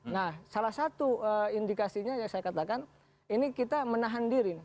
nah salah satu indikasinya yang saya katakan ini kita menahan diri